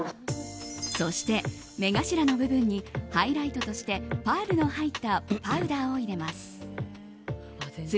そして、目頭の部分にハイライトとしてパールの入ったパウダーを入れます。